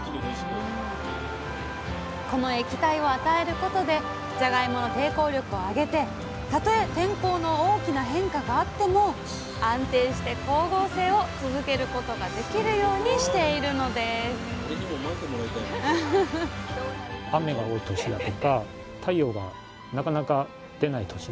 この液体を与えることでじゃがいもの抵抗力を上げてたとえ天候の大きな変化があっても安定して光合成を続けることができるようにしているのですそして待ちに待った収穫の日。